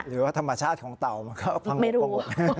หรือว่าธรรมชาติของเต่ามันก็ฟังไม่ถูก